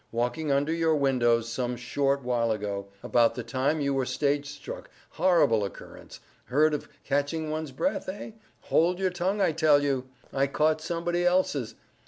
—walking under your windows—some short while ago—about the time you were stage struck—horrible occurrence!—heard of "catching one's breath," eh?—hold your tongue I tell you!—I caught somebody else's!